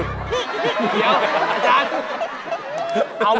เดี๋ยวอาจารย์